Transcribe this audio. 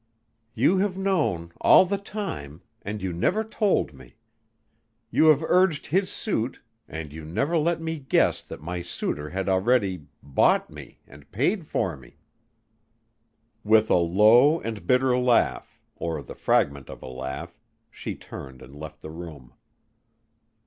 "You have known all that time and you never told me. You have urged his suit and you never let me guess that my suitor had already bought me and paid for me." With a low and bitter laugh or the fragment of a laugh, she turned and left the room.